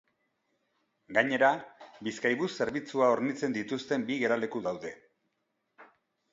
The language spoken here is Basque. Gainera, Bizkaibus zerbitzua hornitzen dituzten bi geraleku daude.